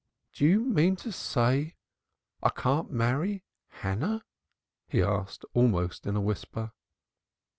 "Do you mean to say I can't marry Hannah?" he asked almost in a whisper.